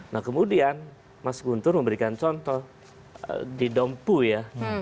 nah kemudian mas guntur memberikan contoh di dompu ya